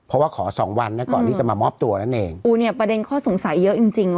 เพราะว่าขอสองวันนะก่อนที่จะมามอบตัวนั่นเองอู้เนี้ยประเด็นข้อสงสัยเยอะจริงจริง